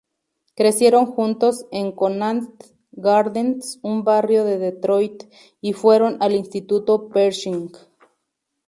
Crecieron juntos en Conant Gardens, un barrio de Detroit, y fueron al instituto Pershing.